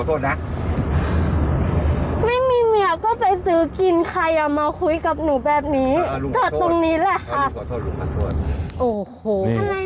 ตรงนี้ป่ะตรงนี้ป่ะไม่เป็นไรลุงขอโทษนะ